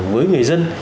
với người dân